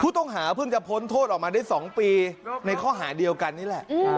ผู้ต้องหาเพิ่งจะพ้นโทษออกมาได้๒ปีในข้อหาเดียวกันนี่แหละ